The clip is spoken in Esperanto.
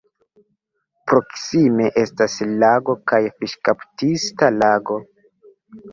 Proksime estas lago kaj fiŝkaptista lago.